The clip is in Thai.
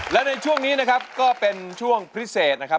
และในช่วงนี้นะครับก็เป็นช่วงพิเศษนะครับ